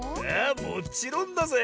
もちろんだぜ！